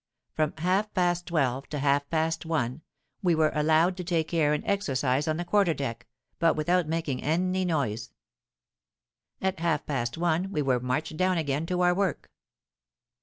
From half past twelve to half past one we were allowed to take air and exercise on the quarter deck, but without making any noise. At half past one we were marched down again to our work.